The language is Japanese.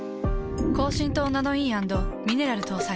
高浸透ナノイー＆ミネラル搭載。